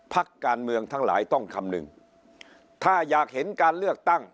พักการเมืองทั้งหลายต้องคำนึงถ้าอยากเห็นการเลือกตั้ง